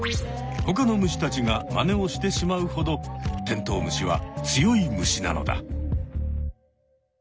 ほかの虫たちがまねをしてしまうほどテントウムシは強い虫なのだ。